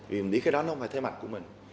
vì mình biết cái đó nó không phải thế mạnh của mình